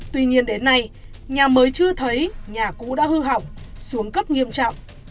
tuy nhiên đến nay nhà mới chưa thấy nhà cũ đã hư hỏng xuống cấp nghiêm trọng